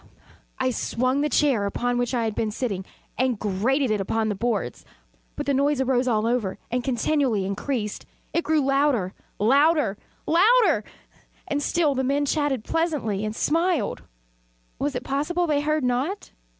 I swung the chair upon which I had been sitting, and grated it upon the boards, but the noise arose over all and continually increased. It grew louder louder louder! And still the men chatted pleasantly, and smiled. Was it possible they heard not?